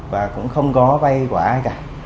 và cũng không có vay của ai cả